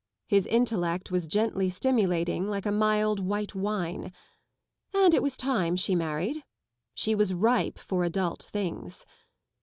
His intellect was gently stimulating like a mild white wine. And it was time she married. She was ripe for adult things.